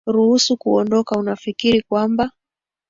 ruhusu kuondoka unafikiri kwamba